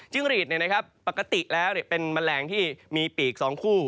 รีดปกติแล้วเป็นแมลงที่มีปีก๒คู่